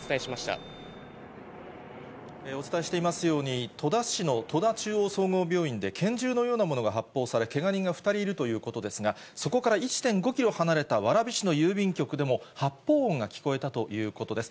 お伝えしていますように、戸田市の戸田中央総合病院で拳銃のようなものが発砲され、けが人が２人いるということですが、そこから１．５キロ離れた蕨市の郵便局でも、発砲音が聞こえたということです。